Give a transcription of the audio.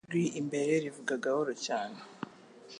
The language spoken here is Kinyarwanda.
n'ijwi imbere rivuga gahoro cyane